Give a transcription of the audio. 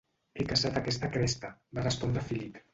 He caçat a aquesta cresta, va respondre Philip.